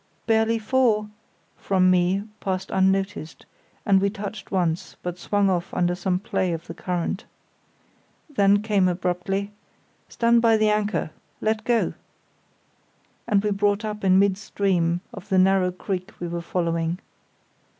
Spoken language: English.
"Barely four," from me passed unnoticed, and we touched once, but swung off under some play of the current. Then came abruptly, "Stand by the anchor. Let go," and we brought up in mid stream of the narrow creek we were following.